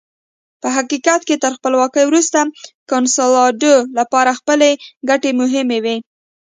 په حقیقت کې تر خپلواکۍ وروسته کنسولاډو لپاره خپلې ګټې مهمې وې.